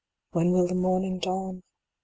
When will the morning dawn ?